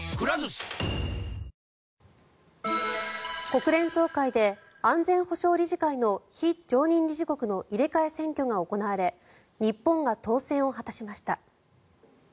国連総会で安全保障理事会の非常任理事国の入れ替え選挙が行われ日本が当選を果たしました。